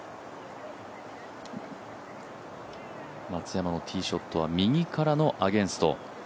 松山のティーショットは右からのアゲンスト。